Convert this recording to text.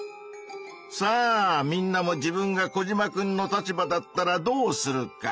さあみんなも自分がコジマくんの立場だったらどうするか？